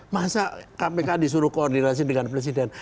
masa kpk disuruh koordinasi dengan presiden